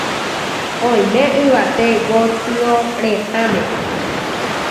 Oime yvate gotyo retãme.